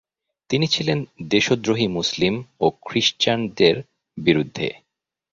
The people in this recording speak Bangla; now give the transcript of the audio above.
তিনি ছিলেন দেশদ্রোহী মুসলিম ও ক্রিস্টান দের বিরুদ্ধে।